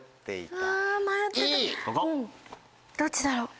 どっちだろう？